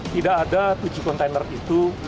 tidak ada tujuh kontainer itu